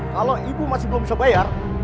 kalau ibu masih belum bisa bayar